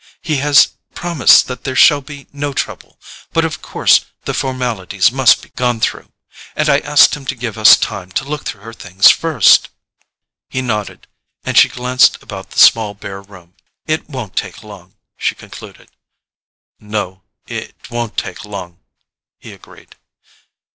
He has promised that there shall be no trouble—but of course the formalities must be gone through. And I asked him to give us time to look through her things first——" He nodded, and she glanced about the small bare room. "It won't take long," she concluded. "No—it won't take long," he agreed.